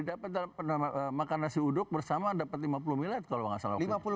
dapat makan nasi uduk bersama dapat lima puluh miliar kalau gak salah waktu itu